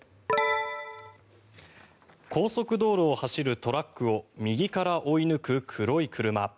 高速道路を走るトラックを右から追い抜く黒い車。